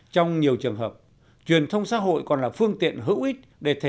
trong nhiều trường hợp truyền thông xã hội còn là phương tiện hữu ích